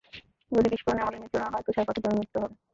যদি বিস্ফোরণে আমাদের মৃত্যু না হয়, তুষারপাতে জমে মৃত্যু হবে!